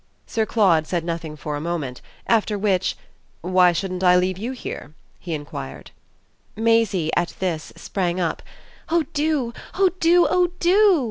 Sir Claude said nothing for a moment; after which, "Why shouldn't I leave you here?" he enquired. Maisie, at this, sprang up. "Oh do, oh do, oh do!"